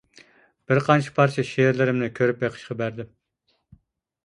بىرقانچە پارچە شېئىرلىرىمنى كۆرۈپ بېقىشقا بەردىم.